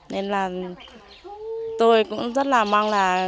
nên là tôi cũng rất là mong là